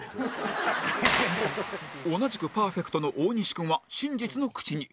同じくパーフェクトの大西君は真実の口に